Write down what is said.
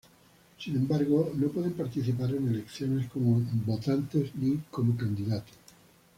Sin embargo, no pueden participar en elecciones como votantes ni como candidatos.